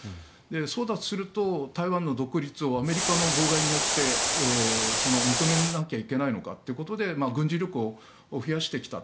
そうだとすると、台湾の独立をアメリカの妨害によって認めなきゃいけないのかということで軍事力を増やしてきた。